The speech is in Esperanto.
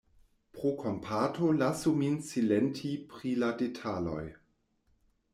Pro kompato lasu min silenti pri la detaloj!